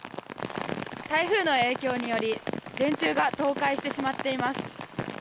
台風の影響により電柱が倒壊してしまっています。